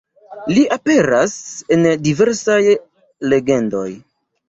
Li aperas en diversaj legendoj.